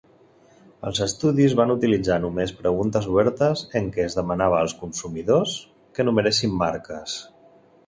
Els estudis van utilitzar només preguntes obertes en què es demanava als consumidors que enumeressin marques.